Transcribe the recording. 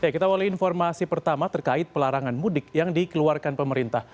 kita awali informasi pertama terkait pelarangan mudik yang dikeluarkan pemerintah